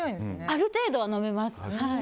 ある程度は飲めます。